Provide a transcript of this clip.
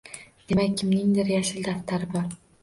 Demak, kimningdir yashil daftari bor